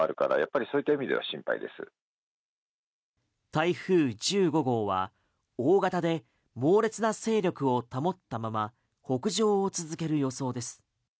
台風１５号は大型で猛烈な勢力を保ったまま北上を続ける予想です。